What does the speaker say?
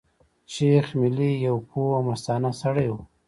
شېخ ملي يو پوه او مستانه سړی وو.